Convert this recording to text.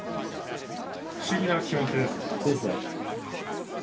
不思議な気持ちですね。ですね。